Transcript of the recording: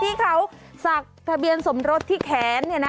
ที่เขาสักทะเบียนสมรสที่แขนเนี่ยนะ